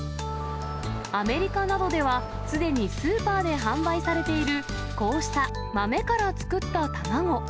アメリカなどでは、すでにスーパーで販売されている、こうした豆から作った卵。